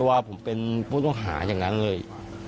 แล้วต้องหาอย่างนั้นเลย